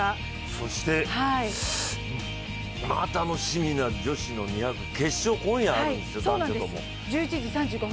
そしてまあ楽しみな女子の２００、決勝今夜あるんですよ、男女共。